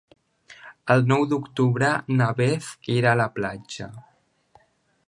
El nou d'octubre na Beth irà a la platja.